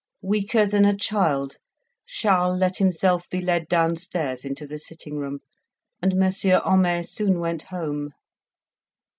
Weaker than a child, Charles let himself be led downstairs into the sitting room, and Monsieur Homais soon went home.